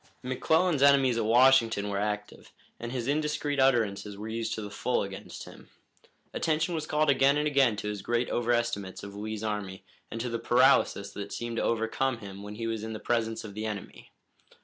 McClellan's enemies at Washington were active, and his indiscreet utterances were used to the full against him. Attention was called again and again to his great overestimates of Lee's army and to the paralysis that seemed to overcome him when he was in the presence of the enemy.